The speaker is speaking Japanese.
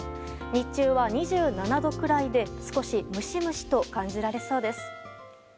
日中は２７度くらいで少しムシムシと感じられそうです。